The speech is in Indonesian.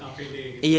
buat apd gitu